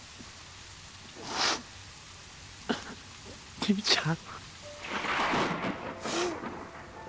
兄ちゃん。